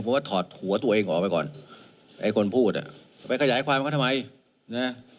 เพราะว่าถอดหัวตัวเองออกไปก่อนไอ้คนพูดอ่ะไปขยายความเขาทำไมนะ